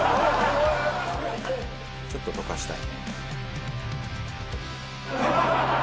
ちょっと溶かしたいね。